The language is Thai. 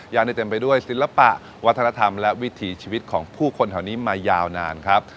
ยังได้เต็มไปด้วยศิลปะวัฒนธรรมและวิถีชีวิตของผู้คนแถวนี้มายาวนานครับ